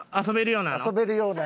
遊べるようなの？